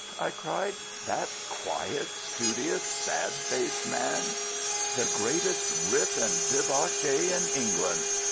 I cried, "that quiet, studious, sad faced man?" "The greatest rip and debauchee in England!